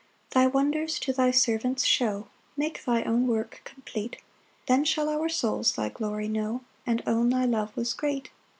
3 Thy wonders to thy servants show, Make thy own work complete, Then shall our souls thy glory know, And own thy love was great.